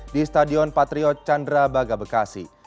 di stadion patriot chandra bagabekasi